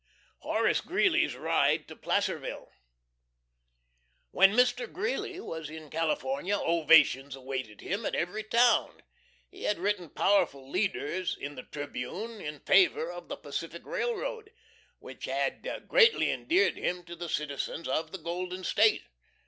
4.7. HORACE GREELEY'S RIDE TO PLACERVILLE. When Mr. Greeley was in California ovations awaited him at every town. He had written powerful leaders in the "Tribune" in favor of the Pacific railroad, which had greatly endeared him to the citizens of the Golden State.